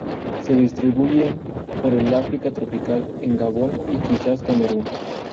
Se distribuyen por el África tropical en Gabón y quizás Camerún.